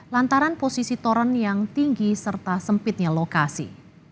lantaran posisi toran yang tinggi serta sempitnya lokasi